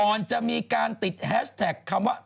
ก่อนจะมีการติดแฮชแท็กคำว่า